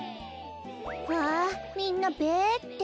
わみんなべって。